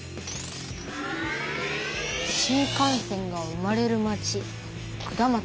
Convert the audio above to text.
「新幹線が生まれる街下松」。